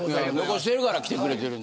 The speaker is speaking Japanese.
残しているから来てくれている。